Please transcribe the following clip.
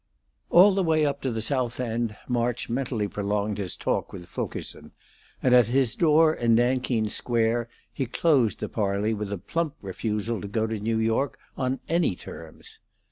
All the way up to the South End March mentally prolonged his talk with Fulkerson, and at his door in Nankeen Square he closed the parley with a plump refusal to go to New York on any terms.